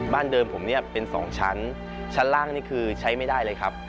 บ้านเดิมผมเป็น๒ชั้นชั้นล่างคือใช้ไม่ได้เลยครับ